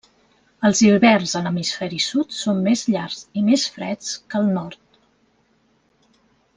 Els hiverns a l'hemisferi sud són més llargs i més freds que al nord.